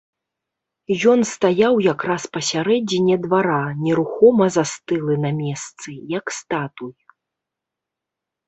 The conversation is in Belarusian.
Ён стаяў якраз пасярэдзіне двара, нерухома застылы на месцы, як статуй.